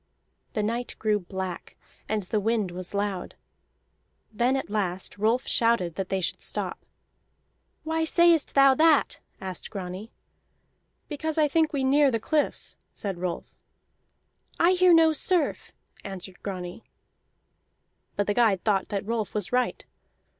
The night grew black, and the wind was loud. Then at last Rolf shouted that they should stop. "Why sayest thou that?" asked Grani. "Because I think we near the cliffs," said Rolf. "I hear no surf," answered Grani. But the guide thought that Rolf was right.